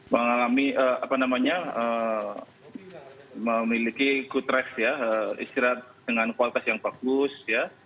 mengalami apa namanya memiliki good ref ya istirahat dengan kualitas yang bagus ya